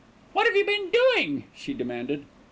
"What have you been doing?" she demanded.